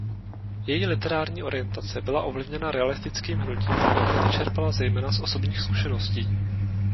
Její literární orientace byla ovlivněna realistickým hnutím a náměty čerpala zejména z osobních zkušeností.